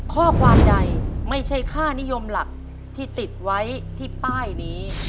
ข้อความใดไม่ใช่ค่านิยมหลักที่ติดไว้ที่ป้ายนี้